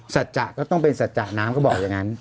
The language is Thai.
พี่ปั๊ดเดี๋ยวมาที่ร้องให้